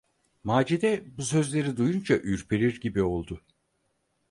Macide bu sözleri duyunca ürperir gibi oldu.